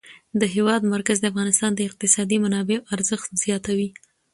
د هېواد مرکز د افغانستان د اقتصادي منابعو ارزښت زیاتوي.